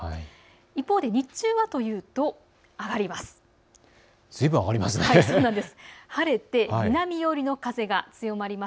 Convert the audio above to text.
一方で日中はというと上がります。